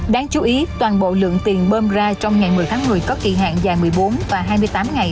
đáng chú ý toàn bộ lượng tiền bơm ra trong ngày một mươi tháng một mươi có kỳ hạn dài một mươi bốn và hai mươi tám ngày